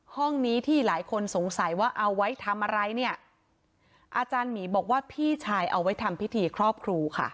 ห้องนี้ที่หลายคนสงสัยว่าเอาไว้ทำอะไรเนี่ยอาจารย์หมีบอกว่าพี่ชายเอาไว้ทำพิธีครอบครูค่ะ